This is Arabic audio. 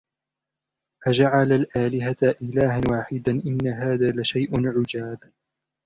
أَجَعَلَ الْآلِهَةَ إِلَهًا وَاحِدًا إِنَّ هَذَا لَشَيْءٌ عُجَابٌ